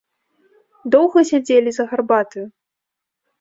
Доўга сядзелі за гарбатаю.